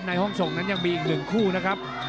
ห้องส่งนั้นยังมีอีก๑คู่นะครับ